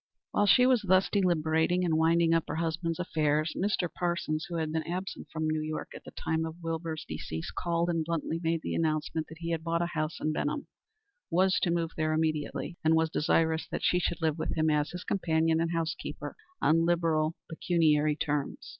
While she was thus deliberating and winding up her husband's affairs, Mr. Parsons, who had been absent from New York at the time of Wilbur's decease, called and bluntly made the announcement that he had bought a house in Benham, was to move there immediately, and was desirous that she should live with him as his companion and housekeeper on liberal pecuniary terms.